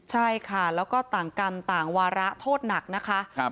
ใช่ค่ะแล้วก็ต่างกรรมต่างวาระโทษหนักนะคะ